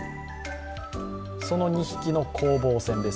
その２匹の攻防戦です。